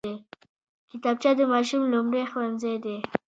کتابچه د ماشوم لومړی ښوونځی دی